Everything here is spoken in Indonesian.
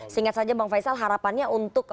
singkat saja bang faisal harapannya untuk